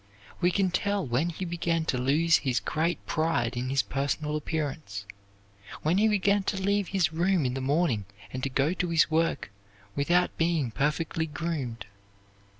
We can tell when he began to lose his great pride in his personal appearance, when he began to leave his room in the morning and to go to his work without being perfectly groomed.